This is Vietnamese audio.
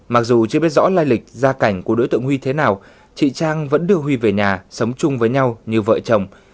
mặc dù chưa biết rõ lai lịch ra cảnh của đối tượng huy thế nào chị trang vẫn đưa huy về nhà sống chung với nhau như vợ chồng